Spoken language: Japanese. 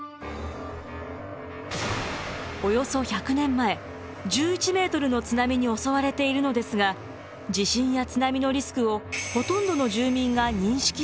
およそ１００年前１１ｍの津波に襲われているのですが地震や津波のリスクをほとんどの住民が認識していませんでした。